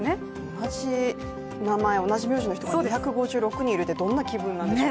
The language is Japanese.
同じ名前、同じ名字の人が２５６人いるってどんな気分なんでしょう。